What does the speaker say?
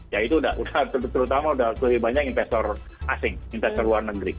ya itu udah terutama lebih banyak investor asing investor luar negeri